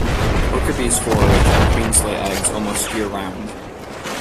Worker bees forage and queens lay eggs almost year-round.